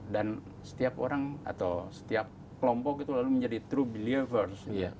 dan setiap orang atau setiap kelompok itu lalu menjadi true believers